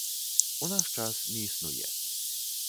У наш час не існуе.